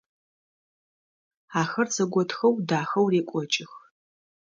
Ахэр зэготхэу дахэу рекӏокӏых.